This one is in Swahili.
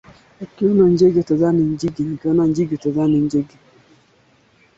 Kenya ilikumbwa na uhaba wiki iliyopita ikidumaza huduma za usafiri wa umma